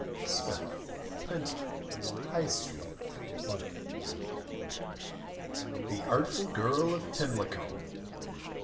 Smith, Printer, High Street, London. MARY NEWALL, The Artful Girl of Pimlico.